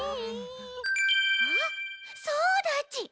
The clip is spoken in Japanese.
あっそうだち！